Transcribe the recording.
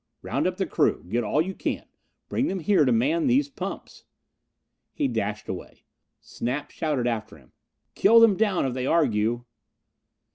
"Round up the crew. Get all you can. Bring them here to man these pumps." He dashed away. Snap shouted after him. "Kill them down if they argue!"